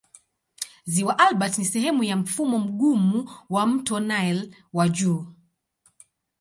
Ziwa Albert ni sehemu ya mfumo mgumu wa mto Nile wa juu.